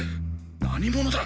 何者だ？